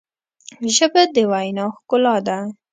ژبه د وینا ښکلا ده